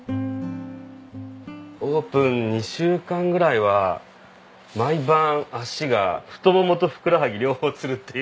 オープン２週間ぐらいは毎晩足が太ももとふくらはぎ両方つるっていう。